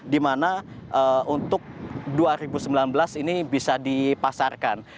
di mana untuk dua ribu sembilan belas ini bisa dipasarkan